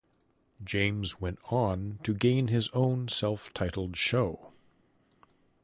James went on to gain his own self-titled show.